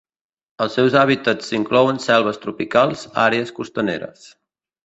Els seus hàbitats inclouen selves tropicals, àrees costaneres.